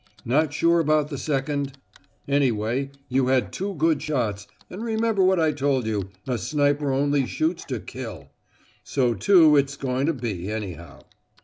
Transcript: Not sure about the second? Anyway you had two good shots, and remember what I told you, a sniper only shoots to kill. So two it's going to be, anyhow."